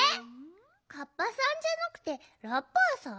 カッパさんじゃなくてラッパーさん？